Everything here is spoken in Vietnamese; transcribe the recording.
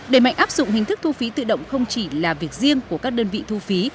đề mạnh áp dụng hình thức thu phí tự động không chỉ là việc riêng của các đơn vị thu phí